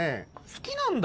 好きなんだ。